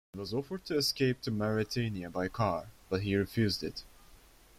He was offered to escape to Mauritania by car, but he refused it.